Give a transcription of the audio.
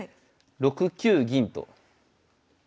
６九銀と。